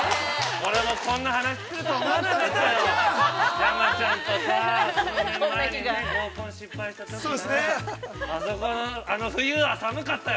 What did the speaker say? ◆俺もこんな話すると思わなかったよ。